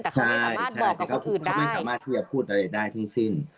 แต่เขาไม่สามารถบอกกับคนอื่นได้เขาไม่สามารถพูดอะไรได้ทั้งสิ้น